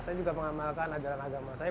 saya juga mengamalkan ajaran agama saya